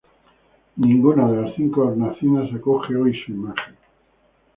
Ninguna de las cinco hornacinas acoge hoy su imagen.